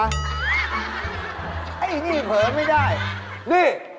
ไอ้นี่เผลอไม่ได้นี่